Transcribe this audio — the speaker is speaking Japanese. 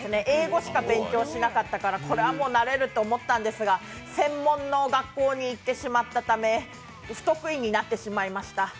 英語しか勉強しなかったら、これはもうなれるって思ったんですが、専門の学校に行ってしまったため、不得意になってしまいました。